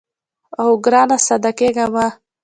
اوو ګرانه ساده کېږه مه.